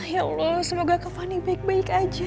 ya allah semoga ke fani baik baik aja